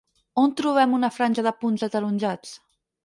On trobem una franja de punts ataronjats?